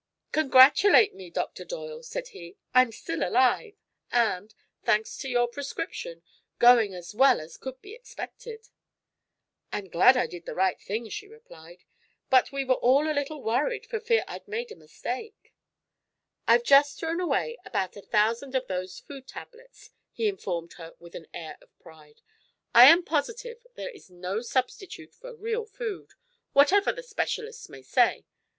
"Congratulate me, Dr. Doyle," said he. "I'm still alive, and thanks to your prescription going as well as could be expected." "I'm glad I did the right thing," she replied; "but we were all a little worried for fear I'd make a mistake." "I have just thrown away about a thousand of those food tablets," he informed her with an air of pride. "I am positive there is no substitute for real food, whatever the specialists may say.